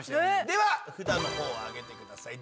では札の方を上げてください。